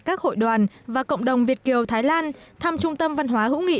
các hội đoàn và cộng đồng việt kiều thái lan thăm trung tâm văn hóa hữu nghị